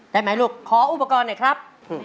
ได้ไหมลูกขออุปกรณ์หน่อยครับ